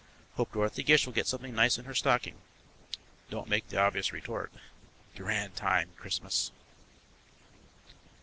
Hope Dorothy Gish will get something nice in her stocking. Don't make the obvious retort. Grand time, Christmas!